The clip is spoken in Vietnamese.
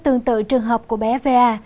tương tự trường hợp của bé va